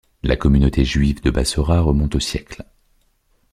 La communauté juive de Bassorah remonte au siècle.